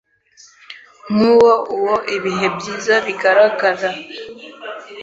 Nkuwo uwo ibihe byiza bigaragara